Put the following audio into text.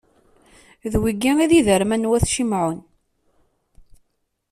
D wigi i d iderman n wat Cimɛun.